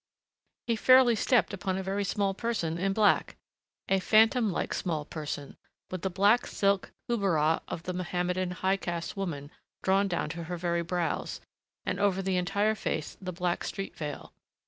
He fairly stepped upon a very small person in black. A phantom like small person, with the black silk hubarah of the Mohammedan high caste woman drawn down to her very brows, and over the entire face the black street veil.